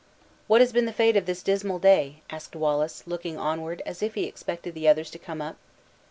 "What has been the fate of this dismal day?" asked Wallace, looking onward, as if he expected others to come up.